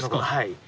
はい。